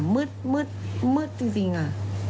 มืดจริงอ่ะ